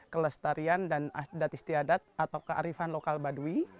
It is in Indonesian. kelestarian dan adat istiadat atau kearifan lokal baduy